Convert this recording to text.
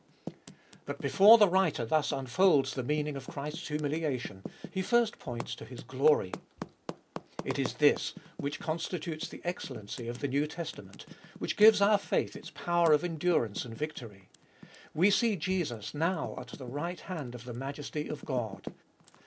But before the writer thus unfolds the meaning of Christ's humiliation, he first points to His glory. It is this which constitutes the excellency of the New Testament, which gives our faith its power of endurance and victory; we see Jesus now at the right hand of the Majesty of God.